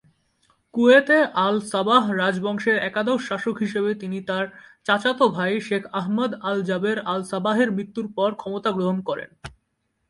কুয়েতে Al Sabah রাজবংশের একাদশ শাসক হিসাবে তিনি তার চাচাত ভাই শেখ আহমদ আল-জাবের আল-সাবাহের মৃত্যুর পর ক্ষমতা গ্রহণ করেন।